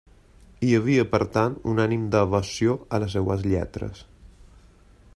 Hi havia, per tant, un ànim d'evasió en les seves lletres.